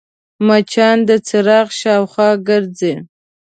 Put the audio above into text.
مچان د څراغ شاوخوا ګرځي